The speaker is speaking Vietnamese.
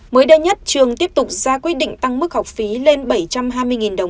mới đây nhất trường tiếp tục ra quyết định tăng mức học phí lên bảy trăm hai mươi đồng